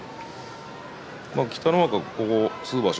北の若は、ここ数場所